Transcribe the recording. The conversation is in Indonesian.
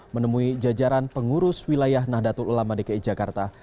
menemui jajaran pengurus wilayah nahdlatul ulama dki jakarta